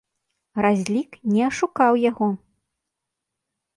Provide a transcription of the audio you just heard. Разлік не ашукаў яго.